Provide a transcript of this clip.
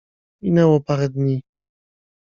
Minęło parę dni.